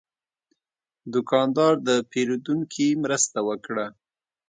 دوکاندار د پیرودونکي مرسته وکړه.